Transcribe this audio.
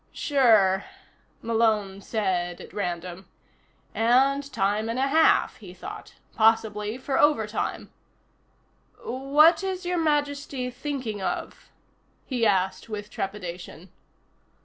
"Sure," Malone said at random. And time and a half, he thought. Possibly for overtime. "What is Your Majesty thinking of?" he asked with trepidation.